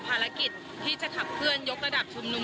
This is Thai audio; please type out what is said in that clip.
ผลกฤทธิ์ที่จะขับเครื่องยกระดับชุมนุม